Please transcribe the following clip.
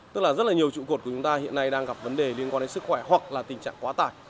tức là rất là nhiều trụ cột của chúng ta hiện nay đang gặp vấn đề liên quan đến sức khỏe hoặc là tình trạng quá tải